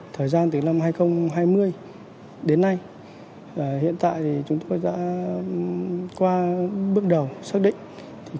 thời gian từ năm hai nghìn hai mươi đến nay hiện tại thì chúng tôi đã qua bước đầu xác định